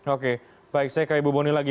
oke baik saya ke ibu boni lagi